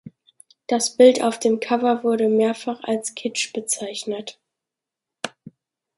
Das Bild auf dem Cover wurde mehrfach als Kitsch bezeichnet.